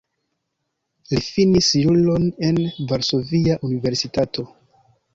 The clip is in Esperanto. Li finis juron en Varsovia Universitato.